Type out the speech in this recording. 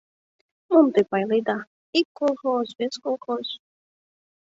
— Мом те пайледа: ик колхоз, вес колхоз.